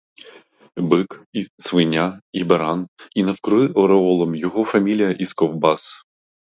Бик, свиня і баран, а навкруги ореолом його фамілія із ковбас.